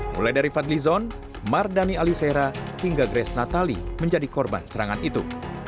mulai dari fadlizon mardani alisera hingga grace natali menjadi korban serangan itu